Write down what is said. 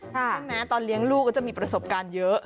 ใช่ไหมตอนเลี้ยงลูกก็จะมีประสบการณ์เยอะ